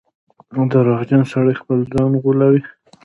• دروغجن سړی خپل ځان غولوي.